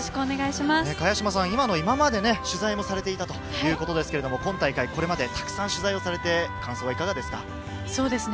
茅島さん、今の今まで取材もされていたということですが、今大会これまでたくさん取材をされて感想いかがですか。